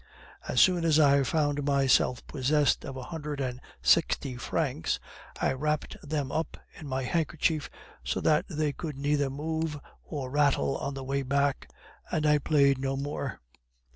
As soon as I found myself possessed of a hundred and sixty francs, I wrapped them up in my handkerchief, so that they could neither move or rattle on the way back; and I played no more.